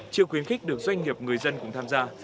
chưa quyến khích được doanh nghiệp người dân cũng tham gia